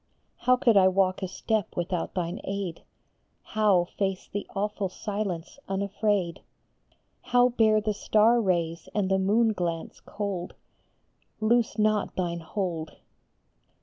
How could I walk a step without thine aid ? How face the awful silence unafraid? How bear the star rays and the moon glance cold ? Loose not thine hold